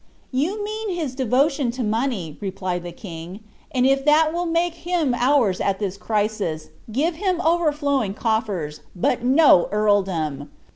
"You mean his devotion to money," replied the king, "and if that will make him ours at this crisis, give him overflowing coffers, but no earldom!